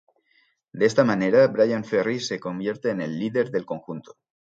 De esta manera Bryan Ferry se convierte en el líder del conjunto.